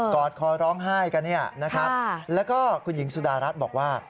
อดคอร้องไห้กันเนี่ยนะครับแล้วก็คุณหญิงสุดารัฐบอกว่า